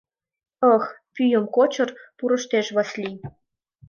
— Ых!.. — пӱйым кочыр пурыштеш Васлий.